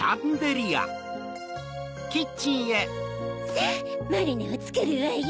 さぁマリネをつくるわよ。